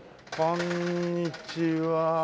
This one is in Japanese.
こんにちは。